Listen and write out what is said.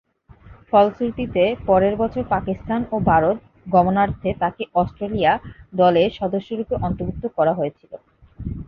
ফলশ্রুতিতে, পরের বছর পাকিস্তান ও ভারত গমনার্থে তাকে অস্ট্রেলিয়া দলের সদস্যরূপে অন্তর্ভুক্ত করা হয়েছিল।